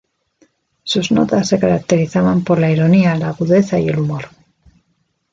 Sus notas se caracterizaban por la ironía, la agudeza y el humor.